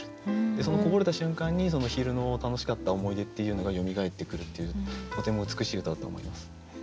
そのこぼれた瞬間にその昼の楽しかった思い出っていうのがよみがえってくるっていうとても美しい歌だと思います。